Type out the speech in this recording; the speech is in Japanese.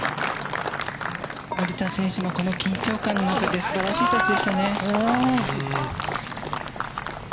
森田選手もこの緊張感の中ですばらしいタッチでしたね。